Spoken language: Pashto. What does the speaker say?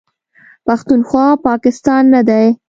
پښتونخوا، پاکستان نه دی.